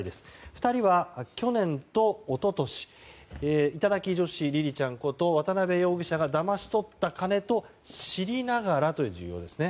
２人は去年と一昨年頂き女子りりちゃんこと渡邊容疑者がだまし取った金と知りながらというのが重要ですね。